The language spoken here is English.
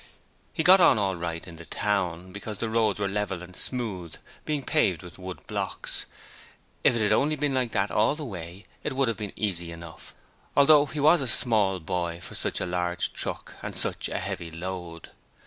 He got on all right in the town, because the roads were level and smooth, being paved with wood blocks. If it had only been like that all the way it would have been easy enough, although he was a small boy for such a large truck, and such a heavy load.